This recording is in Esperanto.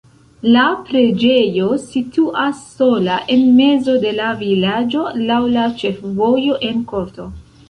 La preĝejo situas sola en mezo de la vilaĝo laŭ la ĉefvojo en korto.